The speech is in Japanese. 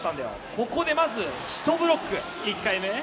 ここでまず、１ブロック１回目ね。